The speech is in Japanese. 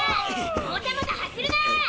もたもた走るな！